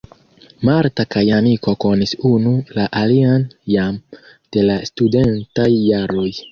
Marta kaj Aniko konis unu la alian jam de la studentaj jaroj.